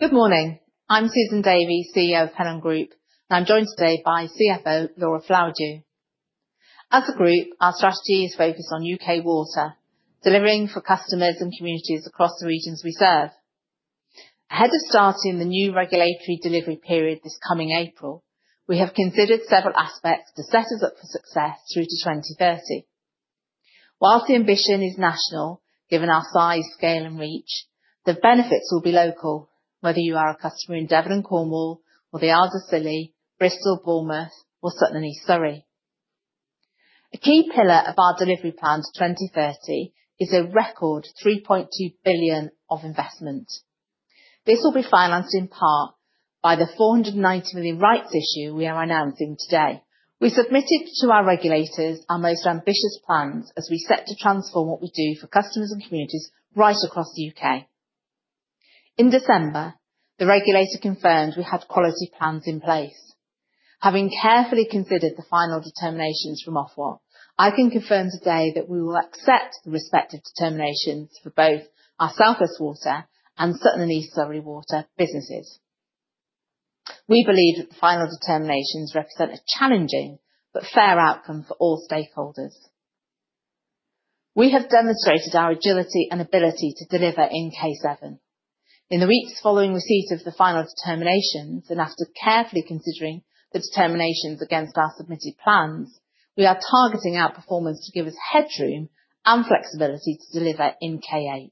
Good morning. I'm Susan Davy, CEO of Pennon Group, and I'm joined today by CFO Laura Flowerdew. As a group, our strategy is focused on UK water, delivering for customers and communities across the regions we serve. Ahead of starting the new regulatory delivery period this coming April, we have considered several aspects to set us up for success through to 2030. While the ambition is national, given our size, scale, and reach, the benefits will be local, whether you are a customer in Devon and Cornwall or the Isles of Scilly, Bristol, Bournemouth, or Sutton and East Surrey. A key pillar of our delivery plan to 2030 is a record 3.2 billion of investment. This will be financed in part by the 490 million rights issue we are announcing today. We submitted to our regulators our most ambitious plans as we set to transform what we do for customers and communities right across the UK. In December, the regulator confirmed we had quality plans in place. Having carefully considered the final determinations from Ofwat, I can confirm today that we will accept the respective determinations for both our South West Water and Sutton and East Surrey Water businesses. We believe that the final determinations represent a challenging but fair outcome for all stakeholders. We have demonstrated our agility and ability to deliver in K7. In the weeks following receipt of the final determinations, and after carefully considering the determinations against our submitted plans, we are targeting outperformance to give us headroom and flexibility to deliver in K8.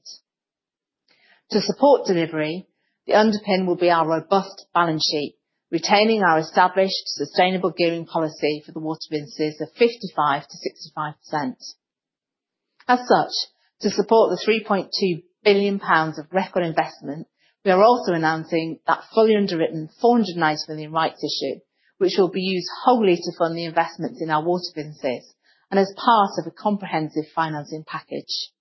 To support delivery, the underpin will be our robust balance sheet, retaining our established sustainable gearing policy for the water businesses of 55%-65%. As such, to support the 3.2 billion pounds of record investment, we are also announcing that fully underwritten 490 million rights issue, which will be used wholly to fund the investments in our water businesses and as part of a comprehensive financing package.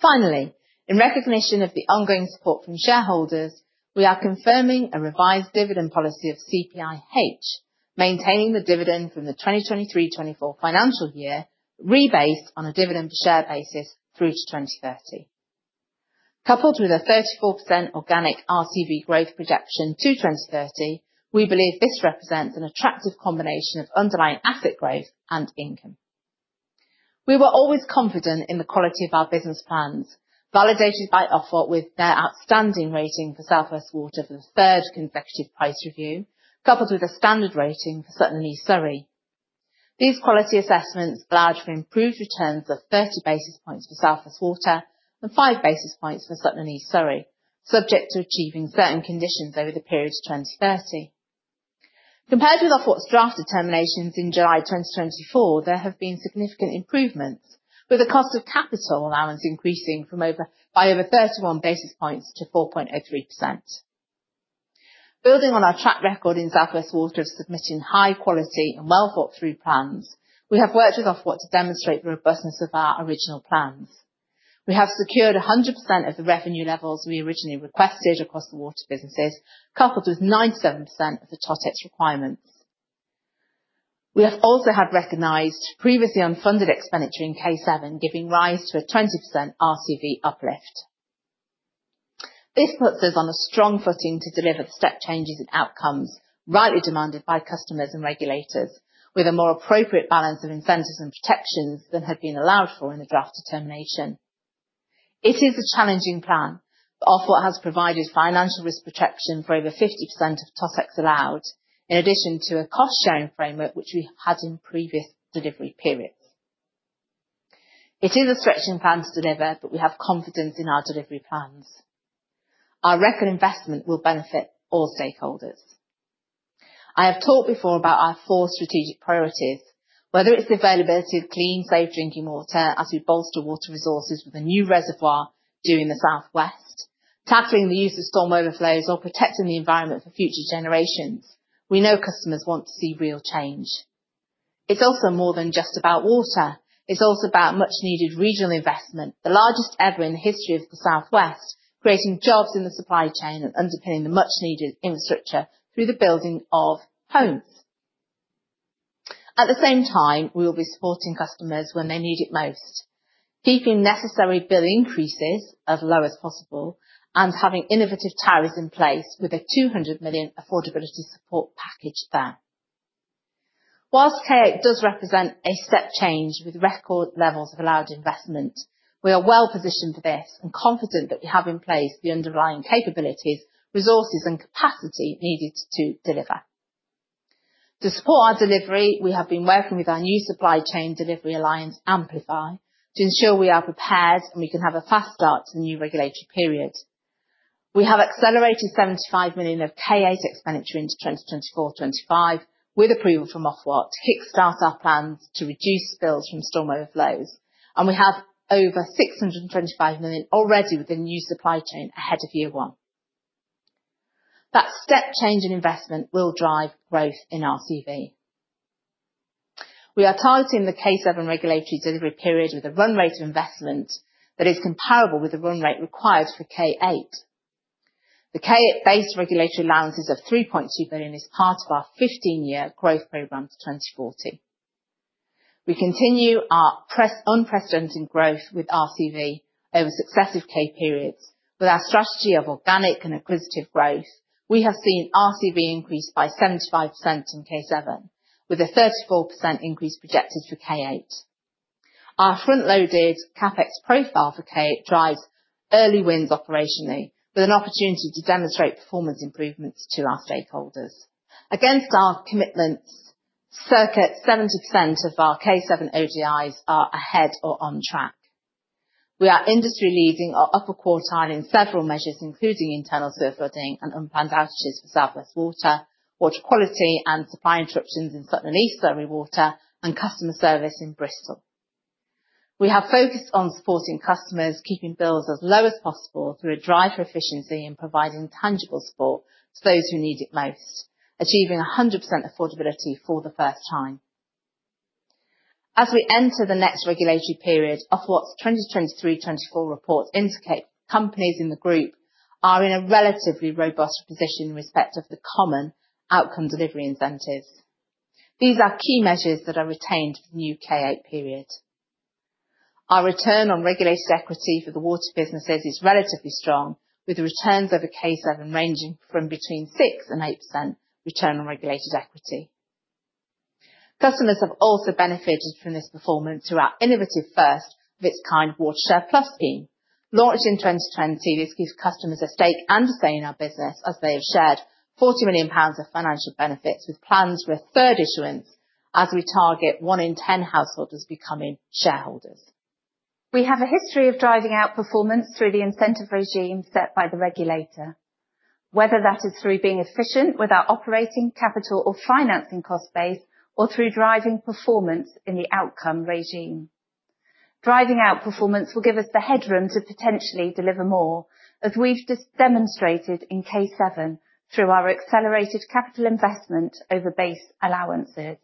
Finally, in recognition of the ongoing support from shareholders, we are confirming a revised dividend policy of CPIH, maintaining the dividend from the 2023-24 financial year rebased on a dividend per share basis through to 2030. Coupled with a 34% organic RCV growth projection to 2030, we believe this represents an attractive combination of underlying asset growth and income. We were always confident in the quality of our business plans, validated by Ofwat with their outstanding rating for South West Water for the third consecutive price review, coupled with a standard rating for Sutton and East Surrey Water. These quality assessments allowed for improved returns of 30 basis points for South West Water and five basis points for Sutton and East Surrey Water, subject to achieving certain conditions over the period to 2030. Compared with Ofwat's draft determinations in July 2024, there have been significant improvements, with the cost of capital allowance increasing by over 31 basis points to 4.03%. Building on our track record in South West Water of submitting high quality and well thought through plans, we have worked with Ofwat to demonstrate the robustness of our original plans. We have secured 100% of the revenue levels we originally requested across the water businesses, coupled with 97% of the Totex requirements. We have also had recognized previously unfunded expenditure in K7, giving rise to a 20% RCV uplift. This puts us on a strong footing to deliver the step changes and outcomes rightly demanded by customers and regulators, with a more appropriate balance of incentives and protections than had been allowed for in the draft determination. It is a challenging plan, but Ofwat has provided financial risk protection for over 50% of Totex allowed, in addition to a cost sharing framework which we had in previous delivery periods. It is a stretching plan to deliver, but we have confidence in our delivery plans. Our record investment will benefit all stakeholders. I have talked before about our four strategic priorities, whether it's the availability of clean, safe drinking water as we bolster water resources with a new reservoir due in the South West, tackling the use of storm overflows, or protecting the environment for future generations. We know customers want to see real change. It's also more than just about water. It's also about much-needed regional investment, the largest ever in the history of the South West, creating jobs in the supply chain and underpinning the much-needed infrastructure through the building of homes. At the same time, we will be supporting customers when they need it most, keeping necessary bill increases as low as possible and having innovative tariffs in place with a 200 million affordability support package there. While K8 does represent a step change with record levels of allowed investment, we are well positioned for this and confident that we have in place the underlying capabilities, resources, and capacity needed to deliver. To support our delivery, we have been working with our new supply chain delivery alliance, Amplify, to ensure we are prepared and we can have a fast start to the new regulatory period. We have accelerated 75 million of K8 expenditure into 2024-2025 with approval from Ofwat to kickstart our plans to reduce bills from storm overflows, and we have over 625 million already with the new supply chain ahead of year one. That step change in investment will drive growth in RCV. We are targeting the K7 regulatory delivery period with a run rate of investment that is comparable with the run rate required for K8. The K8-based regulatory allowances of 3.2 billion is part of our 15-year growth program to 2040. We continue our unprecedented growth with RCV over successive K periods. With our strategy of organic and acquisitive growth, we have seen RCV increase by 75% in K7, with a 34% increase projected for K8. Our front-loaded CapEx profile for K8 drives early wins operationally, with an opportunity to demonstrate performance improvements to our stakeholders. Against our commitments, circa 70% of our K7 ODIs are ahead or on track. We are industry leading or upper quartile in several measures, including internal sewer flooding and unplanned outages for South West Water, water quality and supply interruptions in Sutton and East Surrey Water, and customer service in Bristol. We have focused on supporting customers, keeping bills as low as possible through a drive for efficiency and providing tangible support to those who need it most, achieving 100% affordability for the first time. As we enter the next regulatory period, Ofwat's 2023-24 reports indicate companies in the group are in a relatively robust position with respect to the common outcome delivery incentives. These are key measures that are retained for the new K8 period. Our return on regulated equity for the water businesses is relatively strong, with the returns over K7 ranging from between 6%-8% return on regulated equity. Customers have also benefited from this performance through our innovative first-of-its-kind WaterShare+ scheme, launched in 2020. This gives customers a stake and a say in our business, as they have shared 40 million pounds of financial benefits, with plans for a third issuance as we target one in 10 householders becoming shareholders. We have a history of driving out performance through the incentive regime set by the regulator, whether that is through being efficient with our operating, capital, or financing cost base, or through driving performance in the outcome regime. Driving out performance will give us the headroom to potentially deliver more, as we've demonstrated in K7 through our accelerated capital investment over base allowances.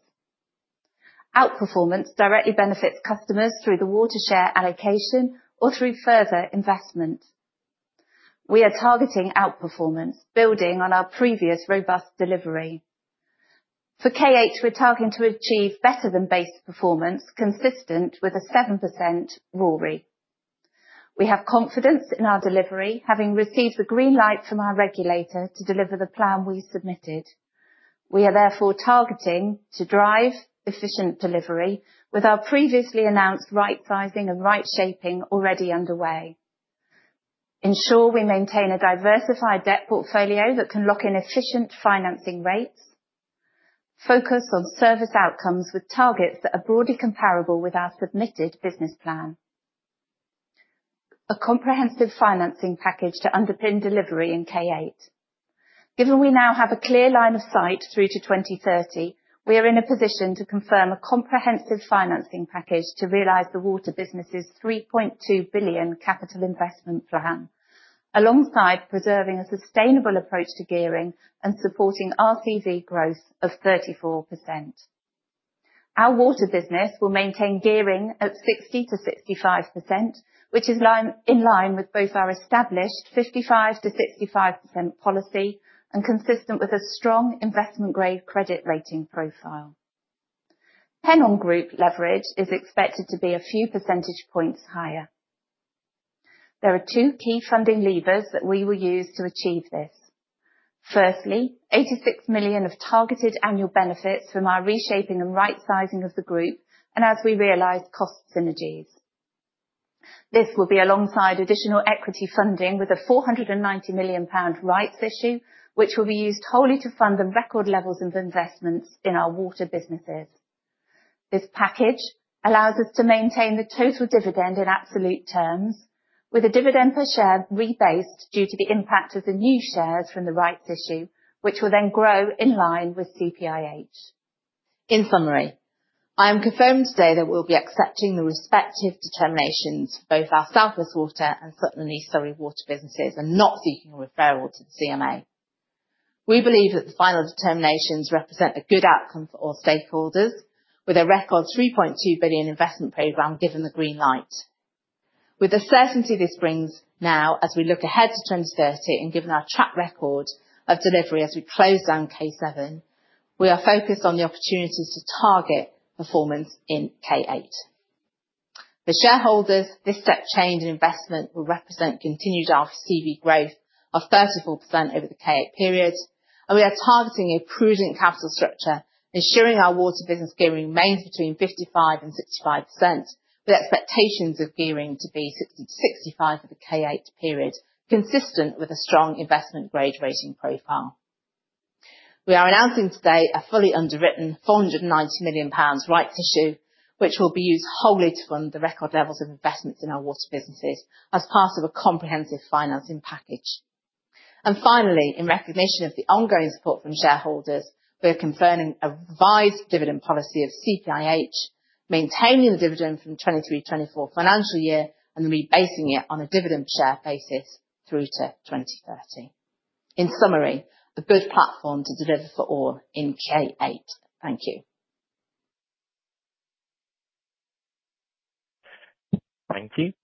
Outperformance directly benefits customers through the Watershare allocation or through further investment. We are targeting outperformance, building on our previous robust delivery. For K8, we're targeting to achieve better than base performance, consistent with a 7% RoRE. We have confidence in our delivery, having received the green light from our regulator to deliver the plan we submitted. We are therefore targeting to drive efficient delivery, with our previously announced right sizing and right shaping already underway. Ensure we maintain a diversified debt portfolio that can lock in efficient financing rates. Focus on service outcomes with targets that are broadly comparable with our submitted business plan. A comprehensive financing package to underpin delivery in K8. Given we now have a clear line of sight through to 2030, we are in a position to confirm a comprehensive financing package to realize the water businesses' 3.2 billion capital investment plan, alongside preserving a sustainable approach to gearing and supporting RCV growth of 34%. Our water business will maintain gearing at 60%-65%, which is in line with both our established 55%-65% policy and consistent with a strong investment grade credit rating profile. Pennon Group leverage is expected to be a few percentage points higher. There are two key funding levers that we will use to achieve this. Firstly, 86 million of targeted annual benefits from our reshaping and right sizing of the group and as we realize cost synergies. This will be alongside additional equity funding with a 490 million pound rights issue, which will be used wholly to fund the record levels of investments in our water businesses. This package allows us to maintain the total dividend in absolute terms, with a dividend per share rebased due to the impact of the new shares from the rights issue, which will then grow in line with CPIH. In summary, I am confirmed today that we'll be accepting the respective determinations for both our South West Water and Sutton and East Surrey Water businesses and not seeking a referral to the CMA. We believe that the final determinations represent a good outcome for all stakeholders, with a record £3.2 billion investment program given the green light. With the certainty this brings now, as we look ahead to 2030 and given our track record of delivery as we close down K7, we are focused on the opportunities to target performance in K8. For shareholders, this step change in investment will represent continued RCV growth of 34% over the K8 period, and we are targeting a prudent capital structure, ensuring our water business gearing remains between 55% and 65%, with expectations of gearing to be 60%-65% for the K8 period, consistent with a strong investment grade rating profile. We are announcing today a fully underwritten 490 million pounds rights issue, which will be used wholly to fund the record levels of investments in our water businesses as part of a comprehensive financing package. And finally, in recognition of the ongoing support from shareholders, we are confirming a revised dividend policy of CPIH, maintaining the dividend from 2023-24 financial year and rebasing it on a dividend per share basis through to 2030. In summary, a good platform to deliver for all in K8. Thank you. Thank you.